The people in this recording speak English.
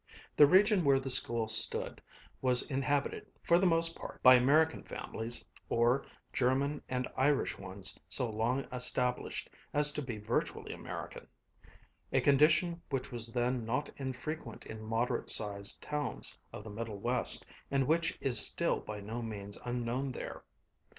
The region where the school stood was inhabited, for the most part, by American families or German and Irish ones so long established as to be virtually American; a condition which was then not infrequent in moderate sized towns of the Middle West and which is still by no means unknown there.